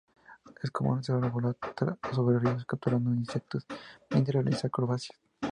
Es común observarlo volar sobre ríos capturando insectos, mientras realiza acrobacias.